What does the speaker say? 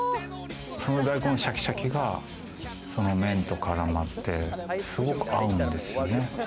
その大根シャキシャキが麺と絡まってすごく合うんですよね。